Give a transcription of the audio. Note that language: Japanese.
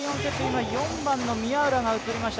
今、４番の宮浦が映りました。